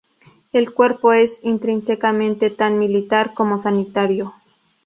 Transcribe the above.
El Cuerpo es, intrínsecamente, tan militar como sanitario.